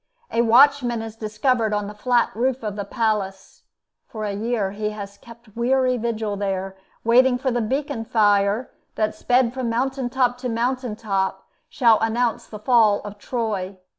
A watchman is discovered on the flat roof of the palace. For a year he has kept weary vigil there, waiting for the beacon fire that, sped from mountain top to mountain top, shall announce the fall of Troy.